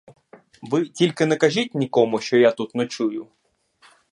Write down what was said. Ви тільки не кажіть нікому, що я тут ночую.